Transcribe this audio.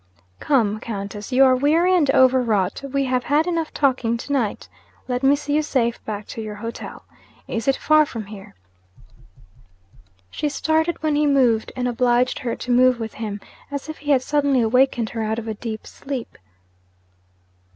'Come, Countess, you are weary and over wrought. We have had enough talking to night. Let me see you safe back to your hotel. Is it far from here?' She started when he moved, and obliged her to move with him, as if he had suddenly awakened her out of a deep sleep.